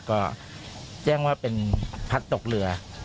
ก็แจ้งว่าเป็นพัดตกเรือ